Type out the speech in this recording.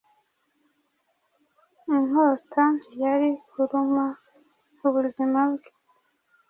Inkota ntiyari kurumaubuzima bwe